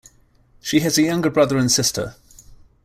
She has a younger brother and sister.